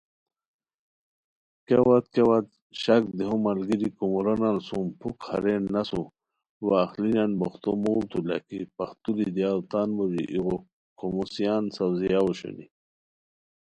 کیا وت کیا وت شک دیہو ملگیری کومورانان سُم پُھک ہارین نسو وا اخلینیان بوختو موڑتو لاکھی پختوری دیاؤ تان موژی ایغو کھوموسیان ساؤزیاؤ اوشونی